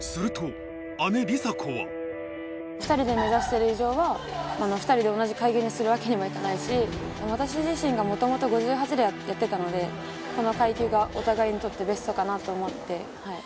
２人で目指している以上は、２人で同じ階級にするわけにもいかないし、私自身がもともと５８でやってたので、この階級がお互いにとってベストかなと思って。